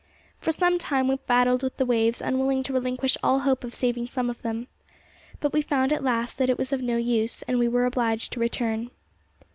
For some time we battled with the waves, unwilling to relinquish all hope of saving some of them. But we found at last that it was of no use, and we were obliged to return.